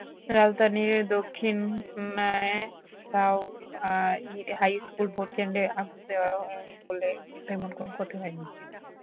রাজধানীর দক্ষিণখানে গাওয়াইর হাইস্কুল ভোটকেন্দ্রে আগুন দেওয়া হলেও তেমন কোনো ক্ষতি হয়নি।